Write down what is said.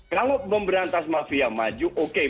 kalau memberantas mafia maju oke